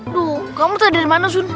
aduh kamu tadi dari mana asun